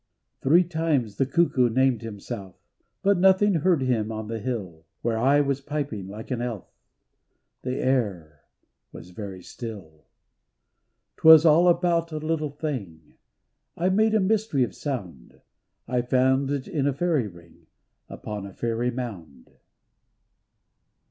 Three times the cuckoo named himself, But nothing heard him on the hill, Where I was piping like an elf The air was very still. 'Twas all about a little thing I made a mystery of sound, I found it in a fairy ring Upon a fairy mound.